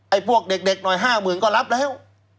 ไอ้พวกเด็กหน่อย๕หมื่นก็รับแล้ว